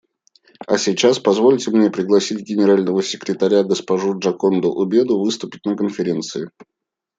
А сейчас позвольте мне пригласить Генерального секретаря госпожу Джоконду Убеду выступить на Конференции.